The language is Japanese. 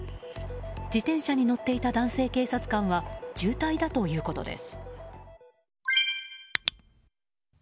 自転車に乗っていた男性警察官は重体だということです。